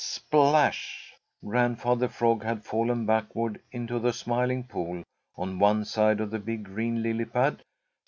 Splash! Grandfather Frog had fallen backward into the Smiling Pool on one side of the big green lily pad.